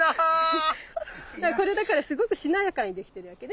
これだからすごくしなやかにできてるわけね。